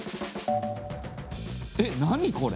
えっ何これ？